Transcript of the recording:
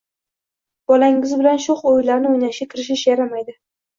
bolangiz bilan sho‘x o‘yinlarni o‘ynashga kirishish yaramaydi.